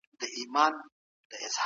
سبا به غونډه وسي.